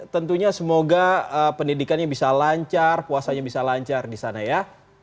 tentunya semoga pendidikannya bisa lancar puasanya bisa lancar di sana ya